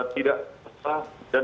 tidak sesah dan